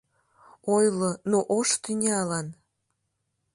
Ойло, ну, ош тӱнялан